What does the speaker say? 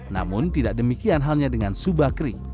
namun tidak demikian halnya dengan subakri